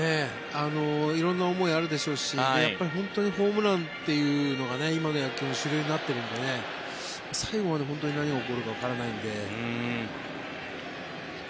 色んな思いがあるでしょうし本当にホームランというのが今の野球の主流になっているので最後まで本当に何が起こるかわからないので。